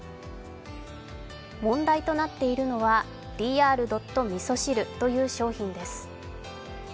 問題となっているのはＤｒ．みそ汁という商品です。